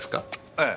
ええ。